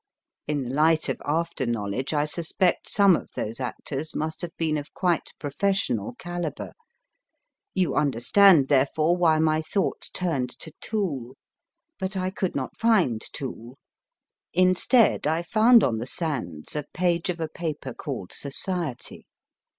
In the light of after knowledge I suspect some of those actors must have been of quite professional calibre. You understand, therefore, why my thoughts turned to Toole. But I could not find Toole. Instead, I found on the sands a page of a paper called Society.